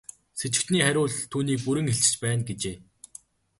Сэжигтний хариу үйлдэл түүнийг бүрэн илчилж байна гэжээ.